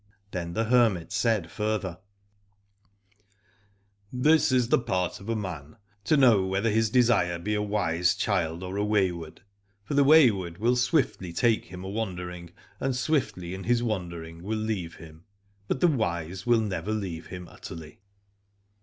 Then the hermit said further, This is the part of a man, to know whether his desire be a wise child or a wayward. For the wayward will swiftly take him a wandering, and swiftly in his wandering will leave him : but the wise will never leave him utterly.